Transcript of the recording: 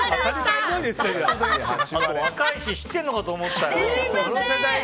若いし知っているのかと思ったよ。